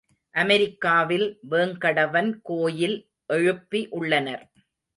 அமெரிக்காவில் வேங்கடவன் கோயில் எழுப்பி உள்ளனர்.